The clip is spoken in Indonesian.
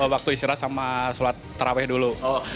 waktu istirahat sama sholat taraweh dulu